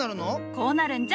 こうなるんじゃ！